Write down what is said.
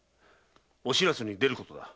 お白州に出ることだ。